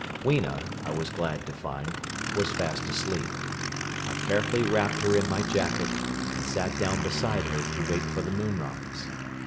"Weena, I was glad to find, was fast asleep. I carefully wrapped her in my jacket, and sat down beside her to wait for the moonrise.